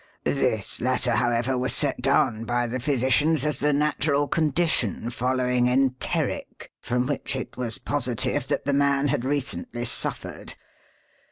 This latter, however, was set down by the physicians as the natural condition following enteric, from which it was positive that the man had recently suffered.